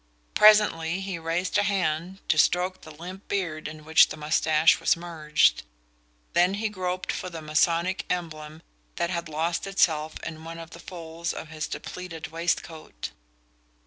Presently he raised a hand to stroke the limp beard in which the moustache was merged; then he groped for the Masonic emblem that had lost itself in one of the folds of his depleted waistcoat.